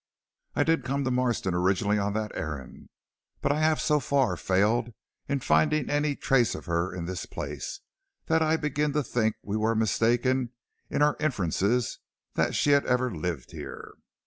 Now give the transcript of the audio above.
"I did come to Marston originally on that errand, but I have so far failed in finding any trace of her in this place that I begin to think we were mistaken in our inferences that she had ever lived here."